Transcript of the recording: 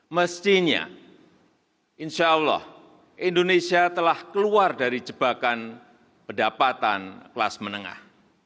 mestinya insya allah indonesia telah keluar dari jebakan pendapatan kelas menengah